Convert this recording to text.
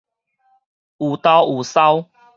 有兜有捎